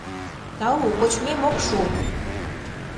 Тау, кочмем ок шу...